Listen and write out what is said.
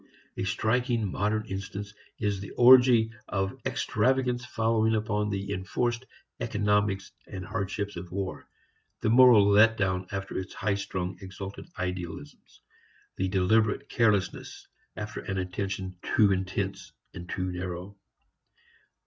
A striking modern instance is the orgy of extravagance following upon the enforced economies and hardships of war, the moral let down after its highstrung exalted idealisms, the deliberate carelessness after an attention too intense and too narrow.